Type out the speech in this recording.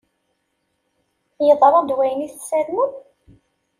Yeḍṛa-d wayen i tessarmem?